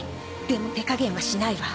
でも手加減はしないわ